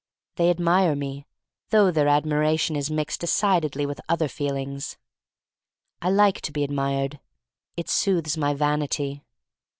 They admire me, though their admira tion is mixed decidedly with other feel ings. I like to be admired. It soothes my vanity.